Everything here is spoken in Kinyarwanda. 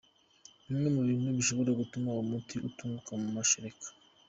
Bimwe mu bintu bishobora gutuma umuti utunguka mu mashereka.